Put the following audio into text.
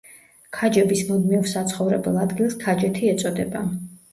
ქაჯების მუდმივ საცხოვრებელ ადგილს ქაჯეთი ეწოდება.